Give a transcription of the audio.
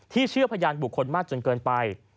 เชื่อพยานบุคคลมากจนเกินไป